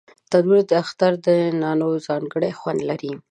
تنور د اخترونو د نانو ځانګړی خوند لري